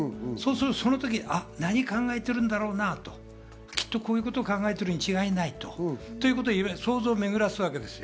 その時、何考えてるんだろうなって、きっとこういうことを考えてるに違いないという想像を巡らすわけですよ。